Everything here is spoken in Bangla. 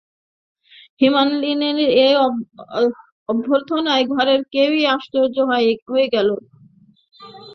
হেমনলিনীর এই অভ্যর্থনায় ঘরের সকলেই আশ্চর্য হইয়া গেল।